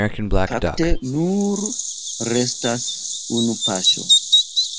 Fakte, nur restas unu paŝo.